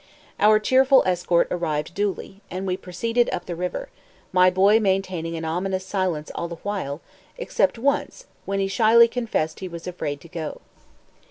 Our cheerful escort arrived duly, and we proceeded up the river, my boy maintaining an ominous silence all the while, except once, when he shyly confessed he was afraid to go.